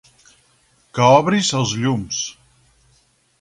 Que obris els llums.